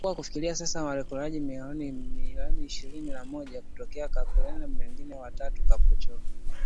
kuwa kufikia sasa waokoaji wamechukua miili ishirini na moja kutoka Mbale na mingine mitatu kutoka Kapchorwa.